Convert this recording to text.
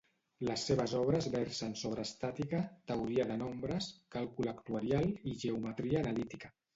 Les seves obres versen sobre estàtica, teoria de nombres, càlcul actuarial i geometria analítica.